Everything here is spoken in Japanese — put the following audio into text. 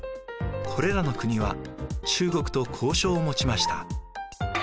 これらの国は中国と交渉を持ちました。